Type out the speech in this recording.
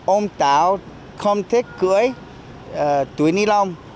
ông táo không thích cưới túi ni lông